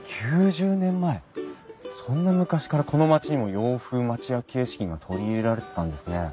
そんな昔からこの町にも洋風町屋形式が取り入れられてたんですね。